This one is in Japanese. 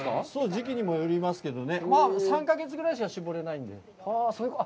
時期にもよりますけどね、３か月ぐらいしか搾れないので。